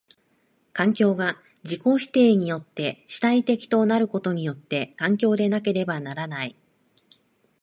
環境が自己否定によって主体的となることによって環境でなければならない。